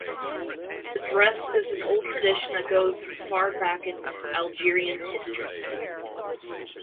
The dress is an old tradition that goes far back in Algerian history.